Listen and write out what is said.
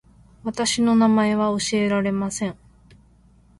私の名前は教えられません